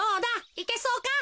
いけそうか？